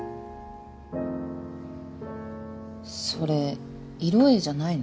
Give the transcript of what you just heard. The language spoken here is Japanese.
それ色営じゃないの？